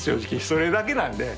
それだけなんで。